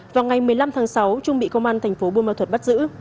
vào ngày một mươi năm tháng sáu trung bị công an thành phố buôn ma thuật bắt giữ